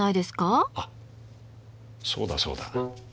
あっそうだそうだ。